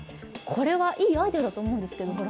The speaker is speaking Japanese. これはいいアイデアと思うんですけど。